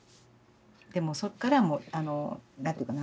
でもうそっから何て言うかな。